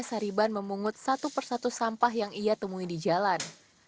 sariban memungut satu persatu sampah yang ia temui di jalan